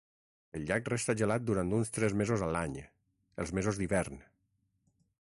El llac resta gelat durant uns tres mesos a l'any, els mesos d'hivern.